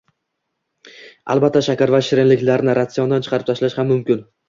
Albatta shakar va shirinliklarni ratsiondan chiqarib tashlash ham mumkin